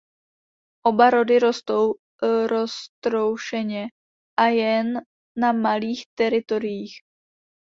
Oba rody rostou roztroušeně a jen na malých teritoriích.